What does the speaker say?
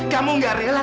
kamu gak rela